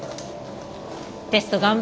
テスト頑張って。